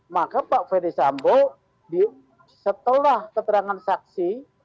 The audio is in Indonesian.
maka pak ferdisambo setelah keterangan saksi